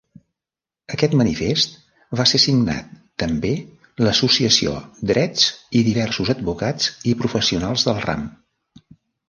Aquest manifest va ser signat també l'Associació Drets i diversos advocats i professionals del ram.